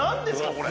これ。